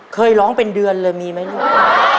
เคยร้องเป็นเดือนเลยมีไหมลูก